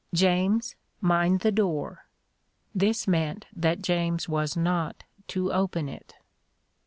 James, mind the door." This meant that James was not to open it.